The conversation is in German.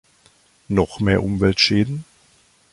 Noch mehr Umweltschäden?